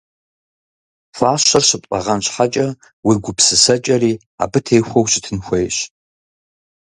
Фащэр щыптӀэгъэн щхьэкӀэ, уи гупсысэкӀэри абы техуэу щытын хуейщ.